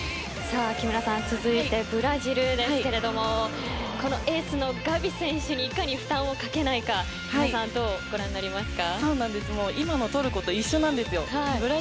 木村さん続いてブラジルですけれどもエースのガビ選手にいかに負担をかけないか木村さんどうご覧になりますか。